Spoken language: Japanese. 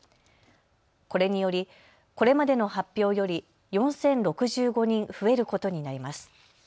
これによりこれまでの発表より４０６５人増えることになります。